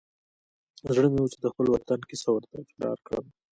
زړه مې و چې د خپل وطن کیسه ورته تکرار کړم.